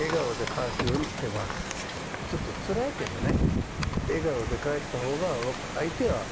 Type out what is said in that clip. ちょっとつらいけどね。